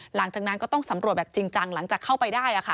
หลังจากนั้นก็ต้องสำรวจแบบจริงจังหลังจากเข้าไปได้